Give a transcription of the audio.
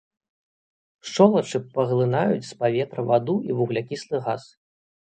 Шчолачы паглынаюць з паветра ваду і вуглякіслы газ.